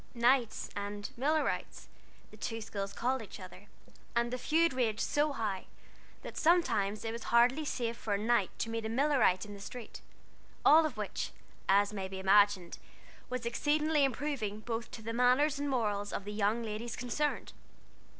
"Knights" and "Millerites," the two schools called each other; and the feud raged so high, that sometimes it was hardly safe for a Knight to meet a Millerite in the street; all of which, as may be imagined, was exceedingly improving both to the manners and morals of the young ladies concerned.